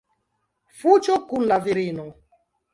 Fuĝo kun la virino.